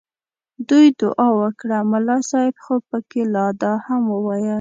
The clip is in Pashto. دوی دعا وکړه ملا صاحب خو پکې لا دا هم وویل.